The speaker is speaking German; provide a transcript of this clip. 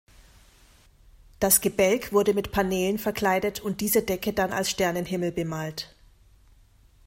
Das Gebälk wurde mit Paneelen verkleidet und diese Decke dann als Sternenhimmel bemalt.